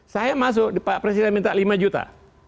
saya masuk pak presiden minta lima juta